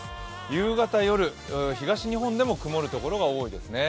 夕方、夜、東日本でも曇る所が多いですね。